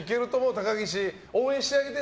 高岸、応援してあげてね。